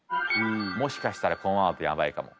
もしかしたらこのままだとやばいかも。